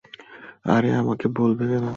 আরে, আমাকে বলবে কেন?